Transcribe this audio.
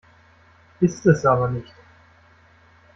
Ist es aber nicht.